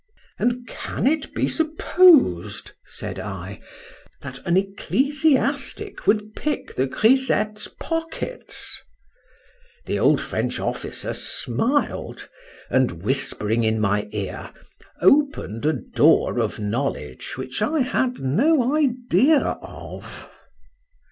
—And can it be supposed, said I, that an ecclesiastic would pick the grisettes' pockets? The old French officer smiled, and whispering in my ear, opened a door of knowledge which I had no idea of.